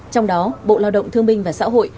trong đó bộ lao động thương minh và xã hội